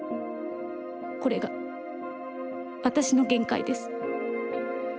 これが私の限界です。